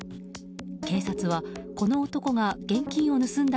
警察は、この男が現金を盗んだ